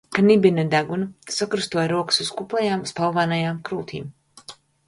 Knibina degunu, sakrustoja rokas uz kuplajām, spalvainajām krūtīm.